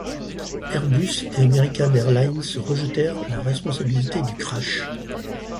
Airbus et American Airlines se rejetèrent la responsabilité du crash.